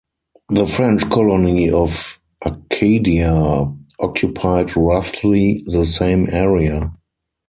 The French colony of Acadia occupied roughly the same area.